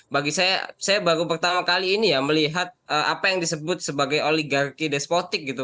bagi saya saya baru pertama kali ini ya melihat apa yang disebut sebagai oligarki despotik gitu